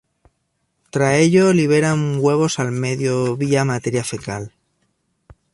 Tras ello liberan huevos al medio vía materia fecal.